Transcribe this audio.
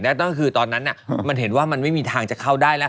น่าจะคือตอนนั้นมันเห็นว่าไม่มีทางจะเข้าได้